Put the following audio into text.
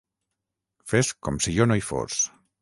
Fes com si jo no hi fos.